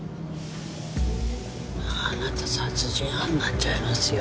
あなた殺人犯になっちゃいますよ。